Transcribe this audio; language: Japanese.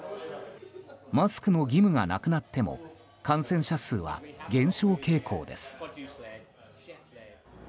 マスクの義務がなくなっても感染者数は減少傾向です。